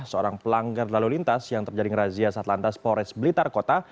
seorang pelanggar lalu lintas yang terjaring razia saat lantas polres blitar kota